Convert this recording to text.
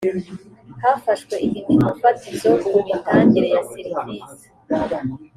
hafashwe ibipimo fatizo ku mitangire ya serivisi .